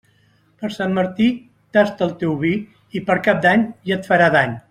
Per Sant Martí, tasta el teu vi, i per Cap d'Any ja et farà dany.